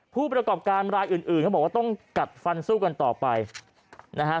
ผู้ประกอบการรายอื่นอื่นเขาบอกว่าต้องกัดฟันสู้กันต่อไปนะฮะ